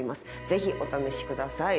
ぜひお試し下さい。